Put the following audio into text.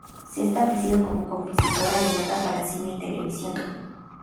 Se ha establecido como compositor a demanda para cine y televisión.